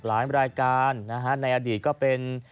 หลายบริการในอดีตก็เป็น